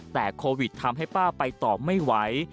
แต่โควิดทำให้ป้าไปต่อไม่ไหว